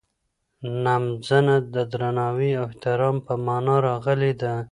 نمځنه د درناوي او احترام په مانا راغلې ده.